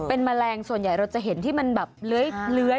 เป็นแมลงส่วนใหญ่เราจะเห็นที่มันแบบเลื้อย